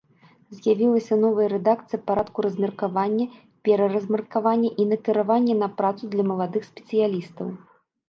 З'явілася новая рэдакцыя парадку размеркавання, пераразмеркавання і накіравання на працу для маладых спецыялістаў.